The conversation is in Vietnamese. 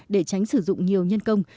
để tránh sử dụng nhiều nhân công